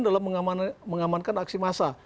dalam mengamankan aksi massa